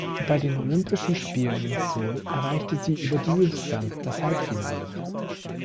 Bei den Olympischen Spielen in Seoul erreichte sie über diese Distanz das Halbfinale.